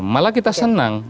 malah kita senang